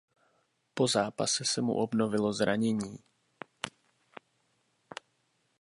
Po zápase se mu obnovilo zranění.